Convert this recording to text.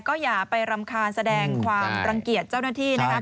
ก็อย่าไปรำคาญแสดงความรังเกียจเจ้าหน้าที่นะครับ